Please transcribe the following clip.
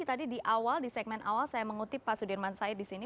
tadi di awal di segmen awal saya mengutip pak sudirman said di sini